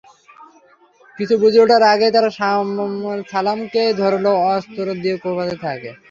কিছু বুঝে ওঠার আগেই তারা সালামকে ধারালো অস্ত্র দিয়ে কোপাতে থাকে।